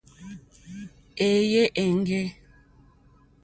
Èèyé éŋɡê.